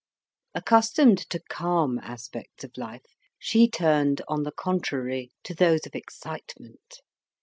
Accustomed to calm aspects of life, she turned, on the contrary, to those of excitement.